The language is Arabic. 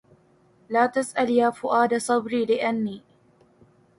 لا تسل يا فؤاد صبري لأني